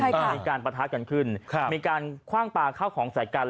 มีการประทะกันขึ้นมีการคว่างปลาข้าวของใส่กัน